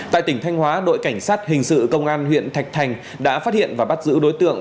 tại tỉnh thanh hóa đội cảnh sát hình sự công an huyện thạch thành đã phát hiện và bắt giữ đối tượng